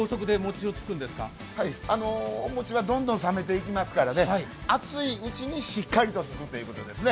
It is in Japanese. お餅はどんどん冷めていきますからね、熱いうちに、しっかりとつくということですね。